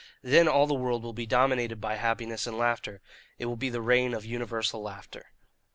Then all the world will be dominated by happiness and laughter. It will be the reign of universal laughter.